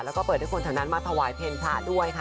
แล้วก็เปิดให้คนแถวนั้นมาถวายเพลงพระด้วยค่ะ